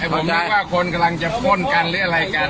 ผมนึกว่าคนกำลังจะพ่นกันหรืออะไรกัน